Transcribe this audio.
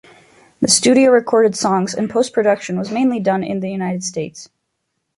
The studio-recorded songs and post-production was mainly done in the United States.